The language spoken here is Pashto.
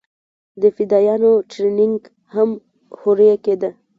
د فدايانو ټرېننگ هم هورې کېده.